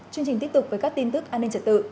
chương trình tiếp tục với các tin tức an ninh trật tự